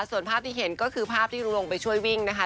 ส่วนภาพที่เห็นก็คือภาพที่ลุงลงไปช่วยวิ่งนะคะ